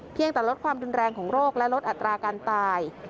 เพียงแต่ลดความรุนแรงของโรคและลดอัตราการตาย